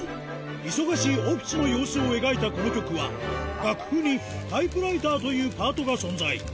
忙しい様子を描いた、この曲は、楽譜にタイプライターというパートが存在。